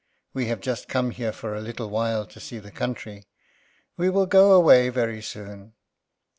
We have just come here for a little while to see the country. We will go away very soon."